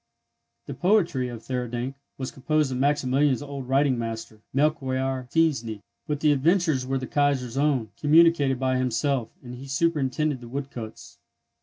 The poetry of Theurdank was composed by Maximilian's old writing master, Melchior Pfinznig; but the adventures were the Kaisar's own, communicated by himself, and he superintended the wood cuts.